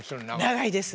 長いです。